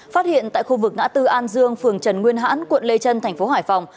phát hiện tại khu vực ngã tư an dương phường trần nguyên hãn quận lê trân tp hải phòng